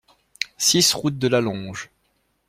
six route de la Longe